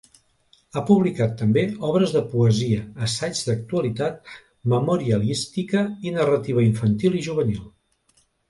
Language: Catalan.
Ha publicat també obres de poesia, assaig d’actualitat, memorialística i narrativa infantil i juvenil.